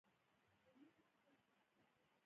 د پښتو ګرامرپوهانو زیار د ستاینې وړ دی خو بس نه دی